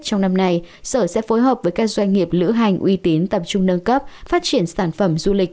trong năm nay sở sẽ phối hợp với các doanh nghiệp lữ hành uy tín tập trung nâng cấp phát triển sản phẩm du lịch